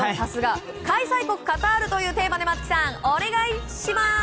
開催国カタールというテーマで松木さん、お願いします！